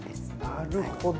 なるほど。